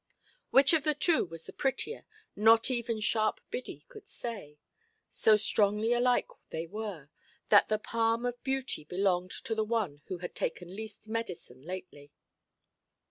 Which of the two was the prettier, not even sharp Biddy could say; so strongly alike they were, that the palm of beauty belonged to the one who had taken least medicine lately.